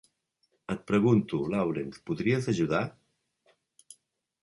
Et pregunto, Lawrence, podries ajudar?